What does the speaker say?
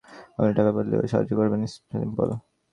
আপনি টাকার বদলে ওর সাহায্য করবেন, সিম্পল।